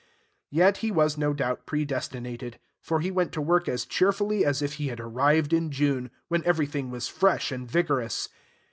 Yet he was, no doubt, predestinated; for he went to work as cheerfully as if he had arrived in June, when everything was fresh and vigorous.